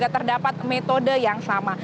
terdapat metode yang sama